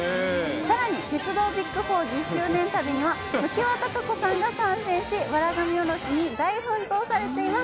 さらに鉄道ＢＩＧ４、１０周年旅は、常盤貴子さんが参戦し、笑神降ろしに大奮闘されています。